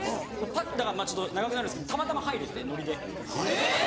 ちょっと長くなるんですけどたまたま入れてノリで。